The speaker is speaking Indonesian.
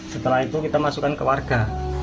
setelah itu kita masukkan ke warga